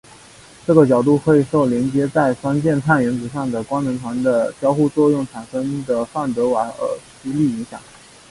这个角度会受连接在双键碳原子上的官能团的交互作用产生的范德瓦耳斯力影响。